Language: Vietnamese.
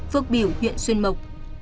phước biểu huyện xuyên mộc